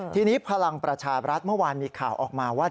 ทีนี้พลังประชาบรัฐเมื่อวานมีข่าวออกมาว่า